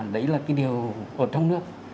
đấy là cái điều ở trong nước